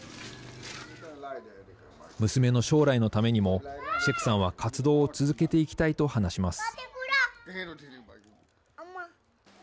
娘の将来のためにもシェクさんは活動を続けていきたいと話します。